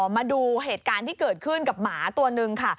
มาดูเหตุการณ์ที่เกิดขึ้นกับหมาตัวนึงค่ะ